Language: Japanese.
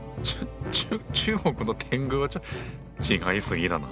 ちゅ中国の天狗は違いすぎだな。